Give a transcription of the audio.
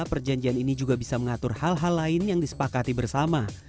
perjanjian ini juga bisa mengatur hal hal lain yang disepakati bersama